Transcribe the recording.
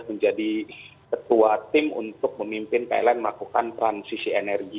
menjadi ketua tim untuk memimpin pln melakukan transisi energi